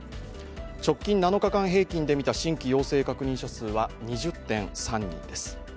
直近７日間平均で見た新規陽性確認者数は２０．３人です。